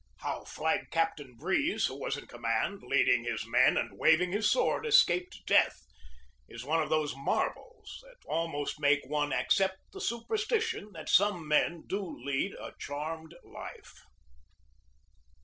How Flag Captain Breeze, who was in command, leading his men and waving his sword, escaped death, is one of those marvels that almost make one accept the superstition that some men do lead a charmed life.